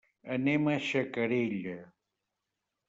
Anem a Xacarella.